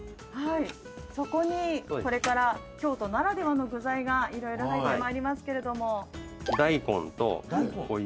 そこにこれから京都ならではの具材が色々入ってまいりますけれども。